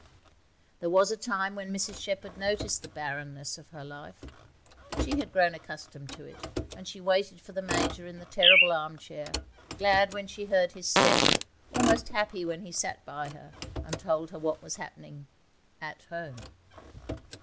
There was a time when Mrs Shepherd noticed the barrenness of her life; but she had grown accustomed to it, and she waited for the Major in the terrible armchair, glad when she heard his step, almost happy when he sat by her and told her what was happening 'at home'.